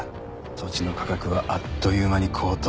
土地の価格はあっという間に高騰。